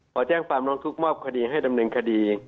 ขอแจ้งความร้องทุกข์มอบคดีให้ดำเนินคดี